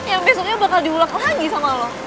yang besoknya bakal diulak lagi sama lo